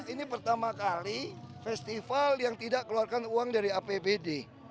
ini pertama kali festival yang tidak keluarkan uang dari apbd